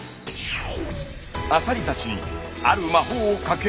アサリたちにある魔法をかけると。